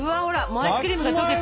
アイスクリームが溶けてる。